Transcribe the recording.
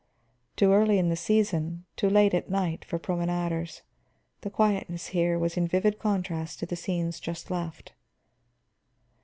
Too early in the season, too late at night, for promenaders, the quietness here was in vivid contrast to the scenes just left.